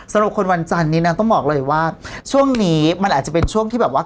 สำหรับคนวันจันทร์นี้นะต้องบอกเลยว่าช่วงนี้มันอาจจะเป็นช่วงที่แบบว่า